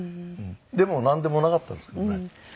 でもなんでもなかったんですけどね。